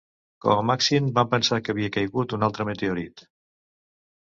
Com a màxim van pensar que havia caigut un altre meteorit.